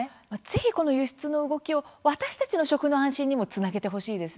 ぜひこの輸出の動きを私たちの食の安心にもつなげてほしいですね。